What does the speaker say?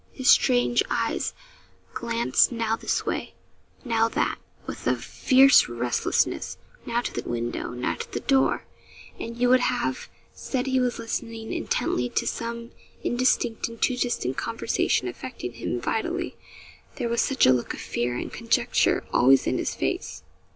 His strange eyes glanced now this way, now that, with a fierce restlessness now to the window now to the door and you would have said he was listening intently to some indistinct and too distant conversation affecting him vitally, there was such a look of fear and conjecture always in his face.